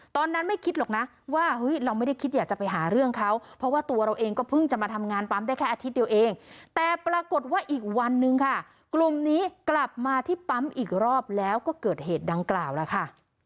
ตอนนั้นไม่คิดหรอกนะว่าเฮ้ยเราไม่ได้คิดอยากจะไปหาเรื่องเขาเพราะว่าตัวเราเองก็เพิ่งจะมาทำงานปั๊มได้แค่อาทิตย์เดียวเองแต่ปรากฏว่าอีกวันนึงค่ะกลุ่มนี้กลับมาที่ปั๊มอีกรอบแล้วก็เกิดเหตุดังกล่าวแล้วค่ะ